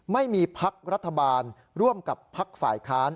ไม่มีพักรัฐบาลร่วมกับพักฝ่ายค้าน